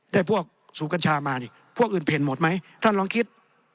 พวกสูบกัญชามานี่พวกอื่นเพ่นหมดไหมท่านลองคิด